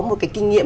một cái kinh nghiệm